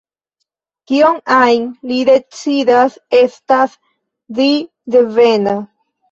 Kion ajn ili decidas, estas di-devena.